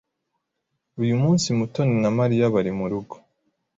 Uyu munsi Mutoni na Mariya bari murugo.